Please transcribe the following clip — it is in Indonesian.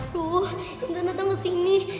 wuh intan datang ke sini